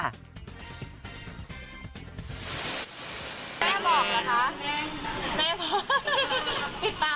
แม่หลอกแล้วค่ะ